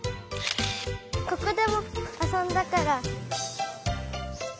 ここでもあそんだから。